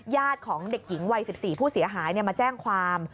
ของเด็กหญิงวัย๑๔ผู้เสียหายมาแจ้งความ